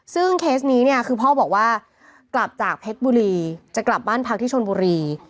ซึ่งเคสนี้เนี่ยคือพ่อบอกว่ากลับจากเพชรบุรีจะกลับบ้านพักที่ชนบุรี